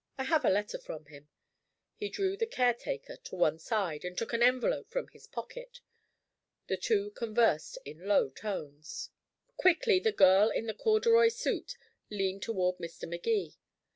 I have a letter from him." He drew the caretaker to one side, and took an envelope from his pocket. The two conversed in low tones. Quickly the girl in the corduroy suit leaned toward Mr. Magee.